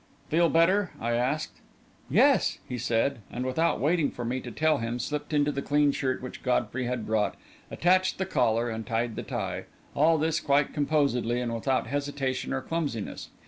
"Feel better?" I asked. "Yes," he said, and without waiting for me to tell him, slipped into the clean shirt which Godfrey had brought, attached the collar and tied the tie, all this quite composedly and without hesitation or clumsiness.